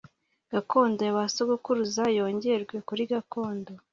gakondo ya ba sogokuruza yongerwe kuri gakondo